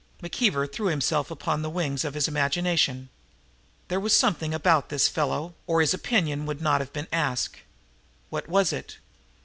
McKeever threw himself upon the wings of his imagination. There was something about this fellow, or his opinion would not have been asked. What was it?